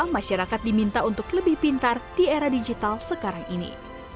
masyarakat diminta untuk lebih pintar di era digital sekarang ini